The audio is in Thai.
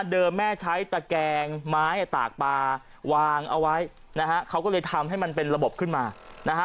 แม่ใช้ตะแกงไม้ตากปลาวางเอาไว้นะฮะเขาก็เลยทำให้มันเป็นระบบขึ้นมานะฮะ